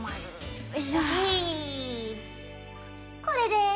これで。